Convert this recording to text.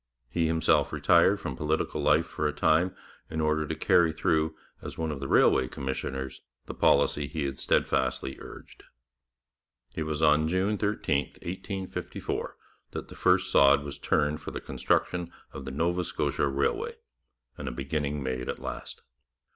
He himself retired from political life for a time in order to carry through, as one of the railway commissioners, the policy he had steadfastly urged. It was on June 13, 1854, that the first sod was turned for the construction of the Nova Scotia Railway, and a beginning made at last.